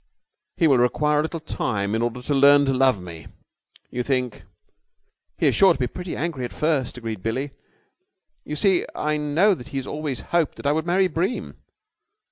He will require a little time in order to learn to love me, you think?" "He is sure to be pretty angry at first," agreed Billie. "You see I know he has always hoped that I would marry Bream."